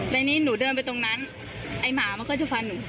ในนี้หนูเดินไปตรงนั้นไอ้หมามันก็จะฟันหนู